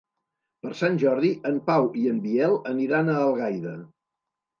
Per Sant Jordi en Pau i en Biel aniran a Algaida.